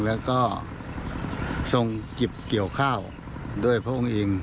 แล้วก็ทรงเก็บเกี่ยวข้าวด้วยพระองค์เอง